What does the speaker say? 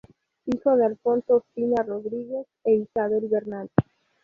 Hijo de Alfonso Ospina Rodríguez e Isabel Bernal.